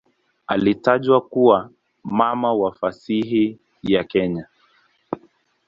Alitajwa kuwa "mama wa fasihi ya Kenya".